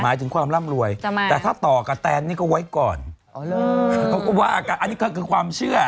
หมายถึงความร่ำรวยแต่ถ้าต่อกับแตนนี่ก็ไว้ก่อนเขาก็ว่ากันอันนี้ก็คือความเชื่อ